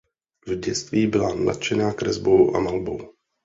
V dětství byla nadšená kresbou a malbou.